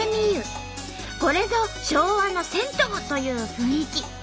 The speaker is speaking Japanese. これぞ昭和の銭湯！という雰囲気。